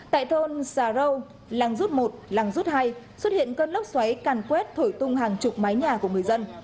tại thôn xà râu làng rút một làng rút hai xuất hiện cơn lốc xoáy càn quét thổi tung hàng chục mái nhà của người dân